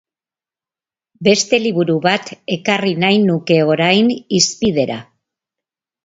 Beste liburu bat ekarri nahi nuke orain hizpidera.